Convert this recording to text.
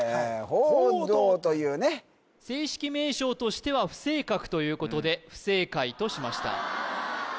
「ほうおうどう」というね正式名称としては不正確ということで不正解としました